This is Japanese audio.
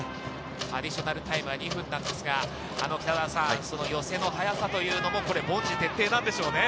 アディショナルタイムは２分なんですが、寄せの速さというのも、凡事徹底なんでしょうね。